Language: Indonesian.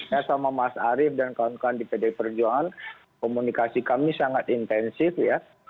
ya sama mas arief dan kawan kawan di pdi perjuangan komunikasi kami sangat intensif ya